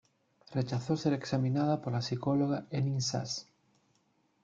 Rechazó ser examinada por la psicóloga Henning Sass.